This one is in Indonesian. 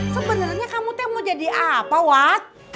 sebenarnya kamu mau jadi apa edward